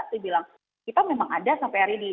dibilang kita memang ada sampai hari ini